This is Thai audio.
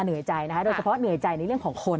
เหนื่อยใจนะคะโดยเฉพาะเหนื่อยใจในเรื่องของคน